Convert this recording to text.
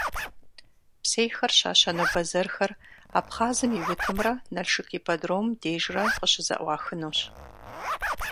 Псейхэр щащэну бэзэрхэр Абхъазым и утымрэ Налшык ипподромым дежрэ къыщызэӀуахынущ.